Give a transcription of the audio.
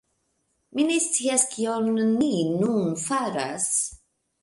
Mi ne scias kion ni nun faras...